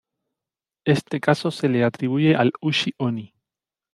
Este caso se le atribuye al ushi-oni.